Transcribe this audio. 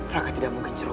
raka tidak mungkin curah